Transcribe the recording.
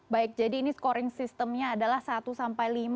baik jadi ini scoring systemnya adalah satu sampai lima